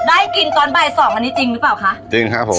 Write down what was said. ได้กินนี้ตอนบ่าย๒จริงรึเปล่าคะ